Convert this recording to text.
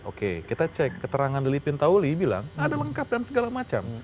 oke kita cek keterangan lili pintauli bilang ada lengkap dan segala macam